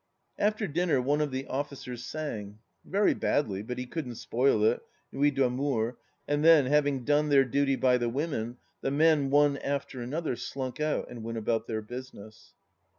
After dinner one of the officers sang— very badly, but he couldn't spoil it — Nuit d' amour, and then, having bone their duty by the women, the men, one after another, slunk out and went about their business.